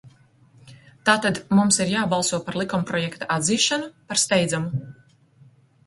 Tātad mums ir jābalso par likumprojekta atzīšanu par steidzamu.